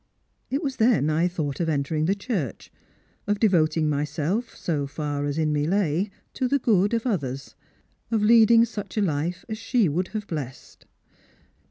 It was then I thought of entering the Church— of devoting myself, so far as in me lay, to the good of others — of leading such a Hfe as she would have blessed.